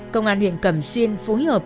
công an huyện cầm xuyên phối hợp